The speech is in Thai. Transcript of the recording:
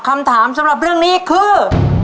คำถามสำหรับเรื่องนี้คือ